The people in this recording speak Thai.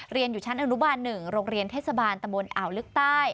เรียนอยู่ชั้นอนุบาล๑โรงเรียนเทศบาลตะบนอ่าวลึกใต้